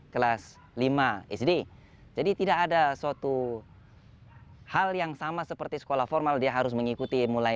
kelas lima sd jadi tidak ada suatu hal yang sama seperti sekolah formal dia harus mengikuti mulai